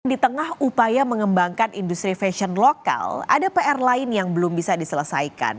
di tengah upaya mengembangkan industri fashion lokal ada pr lain yang belum bisa diselesaikan